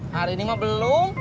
hari ini mah belum